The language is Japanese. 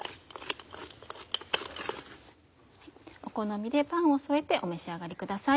お好みでパンを添えてお召し上がりください。